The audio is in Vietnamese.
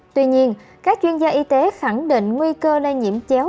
tuy nhiên các chuyên gia y tế khẳng định nguy cơ lây nhiễm chéo